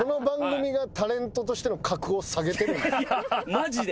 マジで！